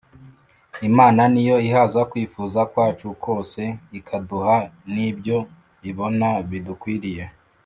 imana niyo ihaza kwifuza kwacu kose ikaduha nibyo ibona bidukwiriye